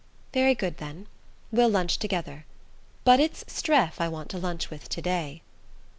"Very good, then; we'll lunch together. But it's Streff I want to lunch with to day."